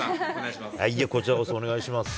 こちらこそお願いします。